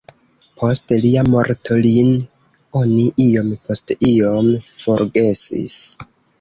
Post lia morto, lin oni iom post iom forgesis.